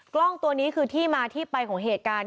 กล้องตัวนี้คือที่มาที่ไปของเหตุการณ์